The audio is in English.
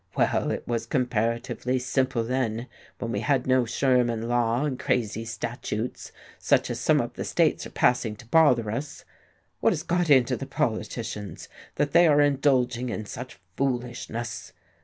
Well, it was comparatively simple then, when we had no Sherman law and crazy statutes, such as some of the states are passing, to bother us. What has got into the politicians, that they are indulging in such foolishness?"